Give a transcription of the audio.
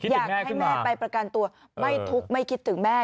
อยากให้แม่ไปประกันตัวไม่ทุกข์ไม่คิดถึงแม่